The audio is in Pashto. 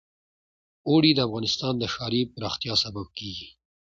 اوړي د افغانستان د ښاري پراختیا سبب کېږي.